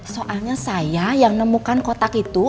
soalnya saya yang nemukan kotak itu